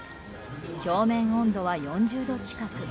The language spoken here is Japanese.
表面温度は４０度近く。